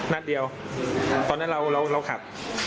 นัดเดียวตอนนั้นเราขับ